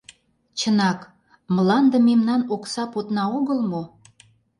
Чынак, мланде мемнан окса подна огыл мо?